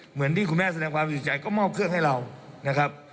เหมือนที่คุณแม่แสดงความเสียใจก็มอบเครื่องให้เรานะครับ